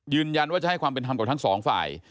ยืนยันว่าจะให้ความเป็นธรรมกับทั้งสองฝ่าย